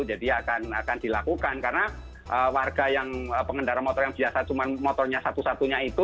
jadi akan dilakukan karena warga yang pengendara motor yang biasa cuma motornya satu satunya itu